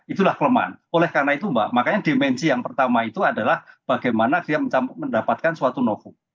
itulah kelemahan oleh karena itu mbak makanya dimensi yang pertama itu adalah bagaimana dia mendapatkan suatu novum